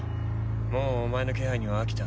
もうお前の気配には飽きた。